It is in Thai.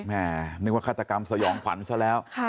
นึกว่าฆาตกรรมสยองขวัญซะแล้ว